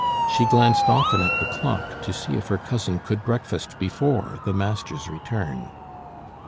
She glanced often at the clock to see if her cousin could breakfast before the master's return.